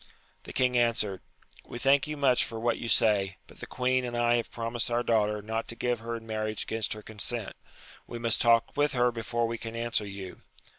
The king answered, We thank you much for what you «ay, but the queen and I have promised our daughter not to give her in marriage against her consent : we must talk with her before we can answer you.